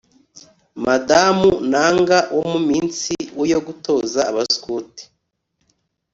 madamu nanga wo mu minsi yo gutoza abaskuti